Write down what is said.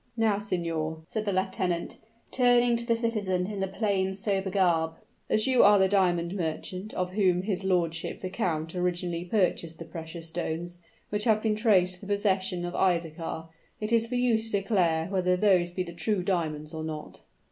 "Now, signor," said the lieutenant, turning to the citizen in the plain sober garb, "as you are the diamond merchant of whom his lordship the count originally purchased the precious stones which have been traced to the possession of Isaachar, it is for you to declare whether those be the true diamonds or not."